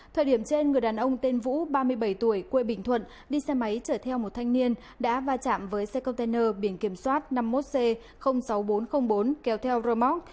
thời điểm trên người đàn ông tên vũ ba mươi bảy tuổi quê bình thuận đi xe máy chở theo một thanh niên đã va chạm với xe container biển kiểm soát năm mươi một c sáu nghìn bốn trăm linh bốn kéo theo rơ móc